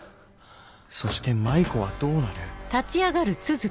そして麻衣子はどうなる？